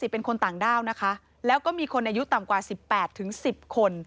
เป็นคนต่างด้าวนะคะแล้วก็มีคนอายุต่ำกว่า๑๘ถึง๑๐คน